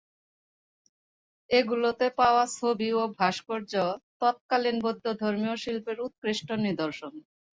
এগুলোতে পাওয়া ছবি ও ভাস্কর্য, তৎকালীন বৌদ্ধধর্মীয় শিল্পের উৎকৃষ্ট নিদর্শন।